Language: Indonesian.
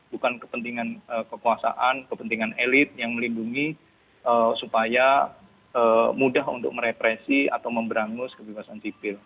bukan kepentingan kekuasaan kepentingan elit yang melindungi supaya mudah untuk merepresi atau memberangus kebebasan sipil